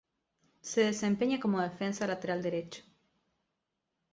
Se desempeña como defensa lateral derecho.